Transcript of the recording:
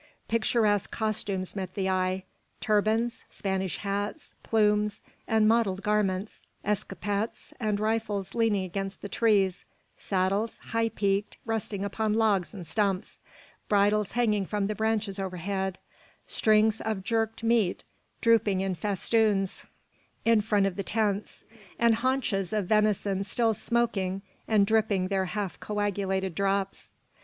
Picturesque costumes met the eye: turbans, Spanish hats, plumes, and mottled garments; escopettes and rifles leaning against the trees; saddles, high peaked, resting upon logs and stumps; bridles hanging from the branches overhead; strings of jerked meat drooping in festoons in front of the tents, and haunches of venison still smoking and dripping their half coagulated drops!